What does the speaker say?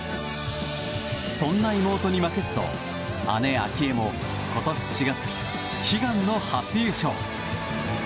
そんな妹に負けじと姉・明愛も今年４月悲願の初優勝。